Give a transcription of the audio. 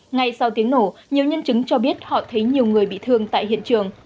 ngay sau tiếng nổ nhiều nhân chứng cho biết họ thấy nhiều người bị thương tại hiện trường